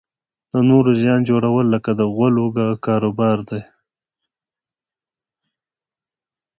د نورو زیان جوړول لکه د غولو کاروبار دی.